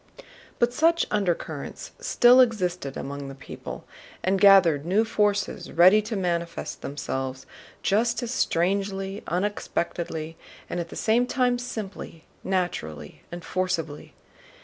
But such undercurrents still existed among the people and gathered new forces ready to manifest themselves just as strangely, unexpectedly, and at the same time simply, naturally, and forcibly.